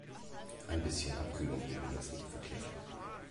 Ein bisschen Abkühlung wäre jetzt nicht verkehrt.